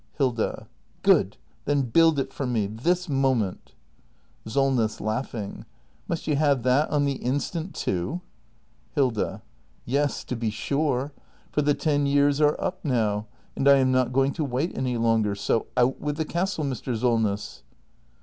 Hilda. Good ! Then build it for me ! This moment ! SOLNESS. Must you have that on the instant, too ? Hilda. Yes, to be sure! For the ten years are up now, and I am not going to wait any longer. So — out with the castle, Mr. Solness!